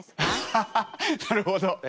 ハハハッなるほど。